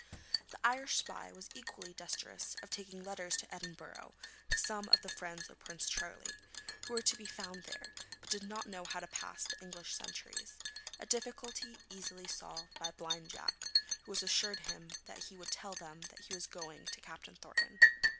The Irish spy was equally desirous of taking letters to Edinburgh to some of the friends of Prince Charlie, who were to be found there, but did not know how to pass the English sentries, a difficulty easily solved by Blind Jack, who assured him that he would tell them he was going to Captain Thornton.